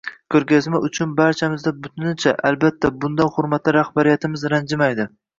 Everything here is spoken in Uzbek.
Koʻrgazma uchun barchamiz butunicha – albatta bundan hurmatli rahbariyatimiz ranjimaydi.